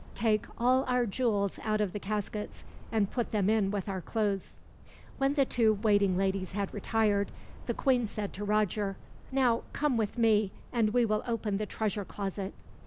Take all our jewels out of the caskets, and put them in with our clothes." When the two waiting ladies had retired, the queen said to Roger: "Now come with me, and we will open the treasure closet."